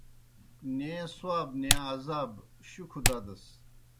نیں ثواب، نیں عذاب شُکھہ دَدَس